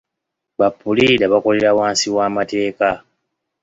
Ba puliida bakolera wansi w'amateeka.